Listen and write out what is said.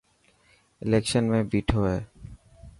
اليڪشن ۾ بيٺو هي.